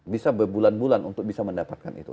bisa berbulan bulan untuk bisa mendapatkan itu